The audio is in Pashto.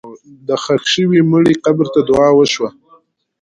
د ښخ شوي مړي قبر ته دعا وشوه.